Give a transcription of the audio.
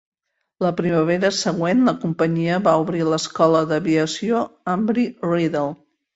La primavera següent, la companyia va obrir l'Escola d'Aviació Embry-Riddle.